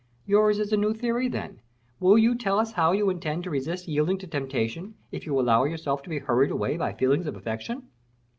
"Yours is a new theory, then; will you tell us how you intend to resist yielding to temptation, if you allow yourself to be hurried away by feelings of affection?"